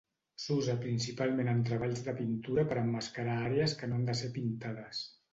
S'usa principalment en treballs de pintura per emmascarar àrees que no han de ser pintades.